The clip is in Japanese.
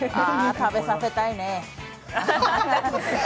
食べさせたいね。